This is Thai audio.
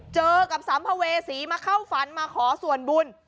เจอกับสามพาเวสีมาเข้าฟันเค้าขอส่วนบุญ